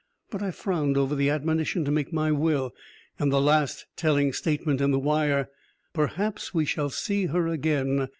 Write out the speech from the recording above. But I frowned over the admonition to make my will, and the last telling statement in the wire: "Perhaps we shall see her again."